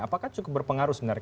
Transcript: apakah cukup berpengaruh sebenarnya